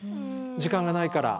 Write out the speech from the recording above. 時間がないから。